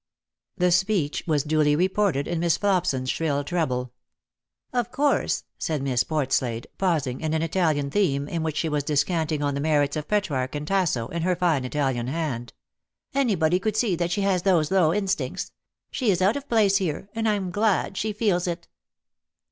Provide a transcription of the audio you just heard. The speech was duly reported in Miss Elopson's shrill treble. " Of course," said Miss Portslade, pausing in an Italian theme, in which she was descanting on the merits of Petrarch and Tasso in her fine Italian hand, " anybody could see that she has those low instincts. She is out of place here, and I'm glad she feels it."